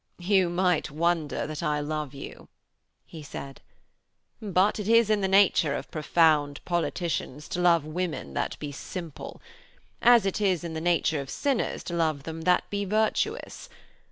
'You might wonder that I love you,' he said. 'But it is in the nature of profound politicians to love women that be simple, as it is the nature of sinners to love them that be virtuous.